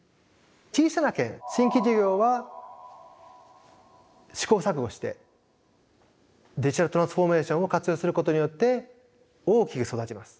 小さな剣新規事業は試行錯誤してデジタルトランスフォーメーションを活用することによって大きく育ちます。